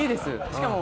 しかも。